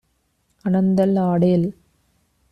அனந்தல் ஆடேல்.